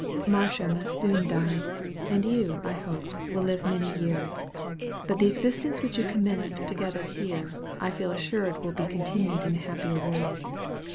Marcia must soon die, and you, I hope, will live many years; but the existence which you commenced together here, I feel assured will be continued in a happier world.